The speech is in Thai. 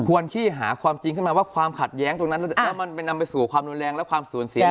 ขี้หาความจริงขึ้นมาว่าความขัดแย้งตรงนั้นแล้วมันนำไปสู่ความรุนแรงและความสูญเสีย